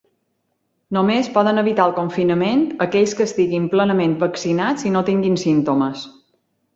Només poden evitar el confinament aquells que estiguin plenament vaccinats i no tinguin símptomes.